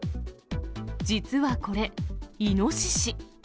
実はこれ、イノシシ。